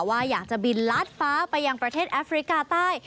ว่าอยากจะบินลัดฟ้าไปยังประเทศแอฟริกาใต้